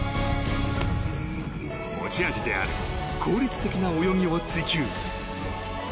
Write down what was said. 持ち味である効率的な泳ぎを追求。